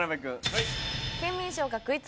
はい。